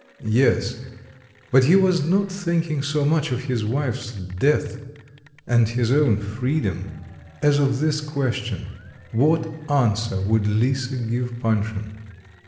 Yes; but he was not thinking so much of his wife's death and his own freedom, as of this question what answer would Lisa give Panshin?